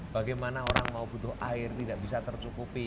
bagaimana orang mau butuh air tidak bisa tercukupi